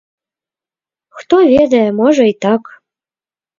Хто ведае, можа і так.